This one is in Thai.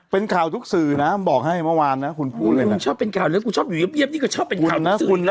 เป็นข่าวทุกสื่อนะบอกให้เมื่อวานนะคุณพูดเลยนะ